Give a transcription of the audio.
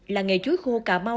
là nghề chuối khô cà mau